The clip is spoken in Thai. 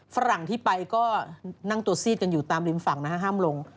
ฝรั่งที่ไปก็นั่งตัวซีดกันอยู่ตามริมฝั่งนะฮะห้ามลง